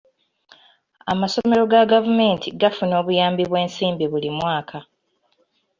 Amasomero ga gavumenti gafuna obuyambi bw'ensimbi buli mwaka.